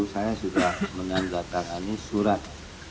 saya sudah menandatangani surat